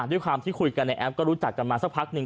ด้วยความที่คุยกันในแอปก็รู้จักกันมาสักพักหนึ่ง